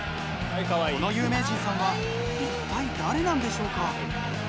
この有名人さんは、一体誰なんでしょうか。